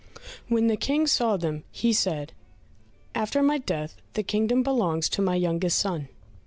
When the King saw them he said, "After my death the kingdom belongs to my youngest son."